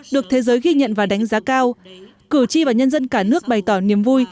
được thế giới ghi nhận và đánh giá cao cử tri và nhân dân cả nước bày tỏ niềm vui